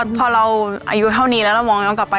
พอเราอายุเท่านี้แล้วเรามองย้อนกลับไป